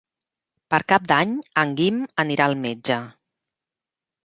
Per Cap d'Any en Guim anirà al metge.